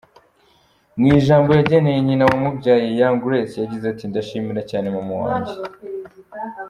Mu ijambo yageneye nyina wamubyaye, Young Grace yagize ati: “Ndashimira cyaneeee mama wanjye.